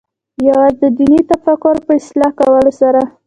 یوازې د دیني تفکر په اصلاح کولو سره.